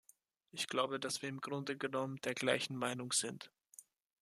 Ich glaube, dass wir im Grunde genommen der gleichen Meinung sind.